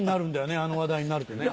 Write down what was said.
あの話題になるとね。